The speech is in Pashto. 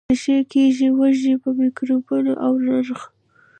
ریښې کږې وږې په مکیزونو او نخرو